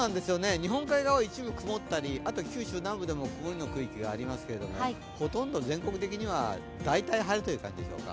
日本海側、一部曇ったりあと九州南部でも曇りの区域がありますけどほとんど全国的には、大体晴れという感じでしょうか。